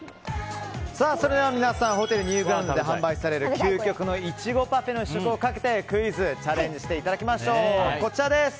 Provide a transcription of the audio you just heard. それでは皆さんホテルニューグランドで販売される究極のいちごパフェの試食をかけてクイズにチャレンジしていただきましょう。